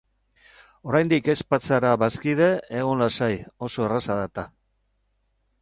Oraindik ez bazara bazkide, egon lasai, oso erraza da-eta!